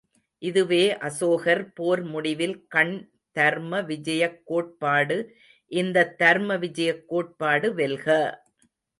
இதுவே அசோகர் போர் முடிவில் கண் தர்ம விஜயக் கோட்பாடு இந்தத் தர்ம விஜயக் கோட்பாடு வெல்க!